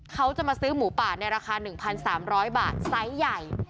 เขาจะมาซื้อหมูป่าในราคา๑๓๐๐บาทไซส์ใหญ่